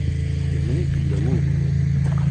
Din i yella wugur.